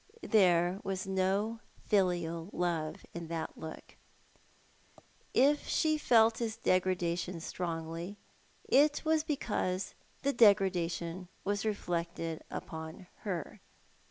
There was no filial love in that look. If she felt his degrada tion strongly it was because the degradation was reflected upon her.